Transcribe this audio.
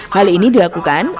hal ini dilakukan dengan berat